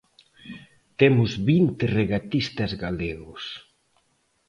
Temos vinte regatistas galegos.